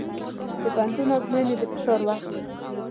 د پوهنتون ازموینې د فشار وخت دی.